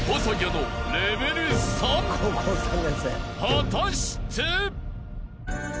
［果たして！？］